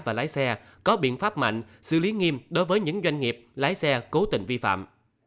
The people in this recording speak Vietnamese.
và lái xe có biện pháp mạnh xử lý nghiêm đối với những doanh nghiệp lái xe cố tình vi phạm